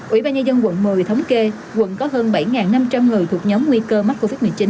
ủy ban nhân dân quận một mươi thống kê quận có hơn bảy năm trăm linh người thuộc nhóm nguy cơ mắc covid một mươi chín